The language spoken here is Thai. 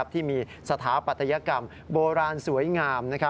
ที่มีสถาปัตยกรรมโบราณสวยงาม